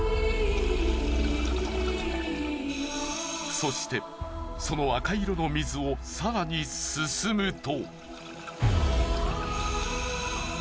そしてその赤色の水を更に進むと。